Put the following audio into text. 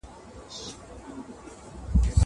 زه به د کتابتوننۍ سره مرسته کړې وي!